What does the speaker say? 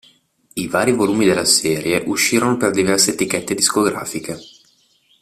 I vari volumi della serie uscirono per diverse etichette discografiche.